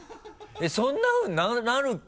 そんなふうになるっけ？